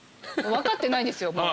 分かってないんですよ。